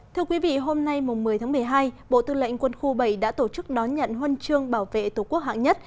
thưa quý vị hôm nay một mươi tháng một mươi hai bộ tư lệnh quân khu bảy đã tổ chức đón nhận huân chương bảo vệ tổ quốc hạng nhất